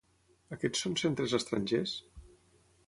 Aquests són centres estrangers?